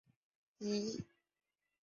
柴达木猪毛菜是苋科猪毛菜属的植物。